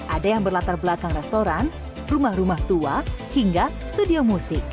ada yang berlatar belakang restoran rumah rumah tua hingga studio musik